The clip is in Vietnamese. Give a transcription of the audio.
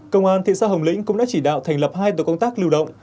công an thị xã hồng lĩnh cũng đã chỉ đạo thành lập hai tổ công tác lưu động